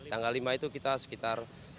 tanggal lima itu kita sekitar